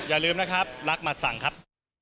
อย่าลืมนะครับรักหมัดสั่งครับ